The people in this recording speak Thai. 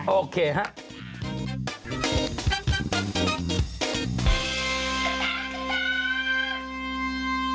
โอเคครับ